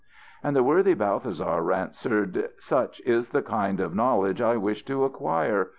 And the worthy Balthasar answered: "Such is the kind of knowledge I wish to acquire.